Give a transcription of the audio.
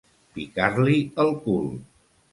Picar-li el cul.